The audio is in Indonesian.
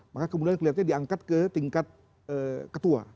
maka kemudian kelihatannya diangkat ke tingkat ketua